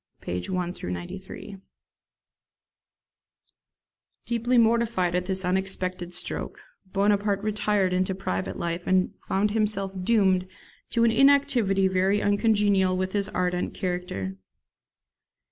pp. 1 93.] Deeply mortified at this unexpected stroke, Bonaparte retired into private life, and found himself doomed to an inactivity very uncongenial with his ardent character.